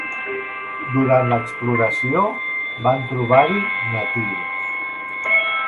Durant l'exploració van trobar-hi natius.